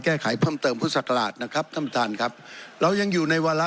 แก้ไขเพิ่มเติมพุทธศักราชนะครับท่านประธานครับเรายังอยู่ในวาระ